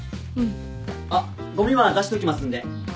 あっごみは出しときますんで。